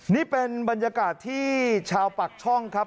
นี่เป็นบรรยากาศที่ชาวปากช่องครับ